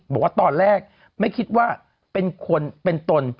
บอกว่าตอนแรกไม่คิดว่าเป็นคนเป็นตน